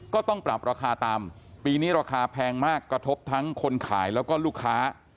ก็ต้องปรับราคาตามปีนี้ราคาแพงมากกระทบทั้งคนขายแล้วก็ลูกค้า